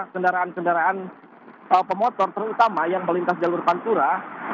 kendaraan kendaraan pemotor terutama yang melintas jalur pantura